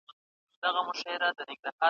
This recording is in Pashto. پي پي پي ناروغي د مور حافظه اغېزمنوي.